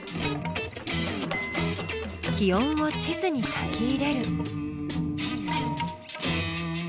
気温を地図に書き入れる。